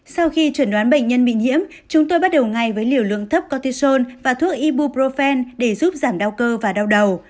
sau khi chuẩn đoán bệnh nhân bị nhiễm chúng tôi bắt đầu ngay với liều lượng thấp cortisone và thuốc ibuprofen để giúp giảm đau cơ và đau đầu